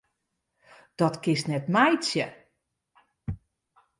Dat kinst net meitsje!